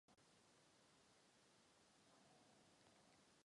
Nešlo však o jednoduché hlasování.